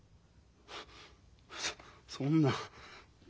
そそんな。